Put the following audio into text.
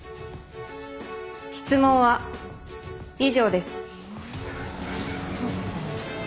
質問は以上です。